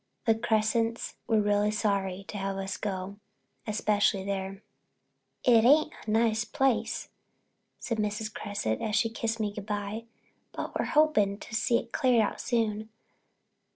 The Cressets were real sorry to have us go, especially there. "It ain't a nice place," said Mrs. Cresset, as she kissed me good bye, "but we're hoping to see it cleared out soon.